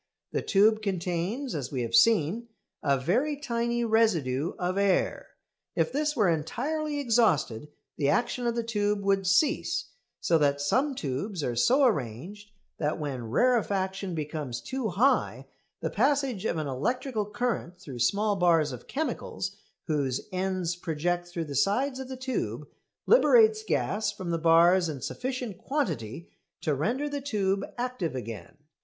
The tube contains, as we have seen, a very tiny residue of air. If this were entirely exhausted the action of the tube would cease; so that some tubes are so arranged that when rarefaction becomes too high the passage of an electrical current through small bars of chemicals, whose ends project through the sides of the tube, liberates gas from the bars in sufficient quantity to render the tube active again.